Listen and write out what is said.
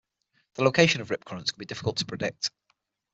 The location of rip currents can be difficult to predict.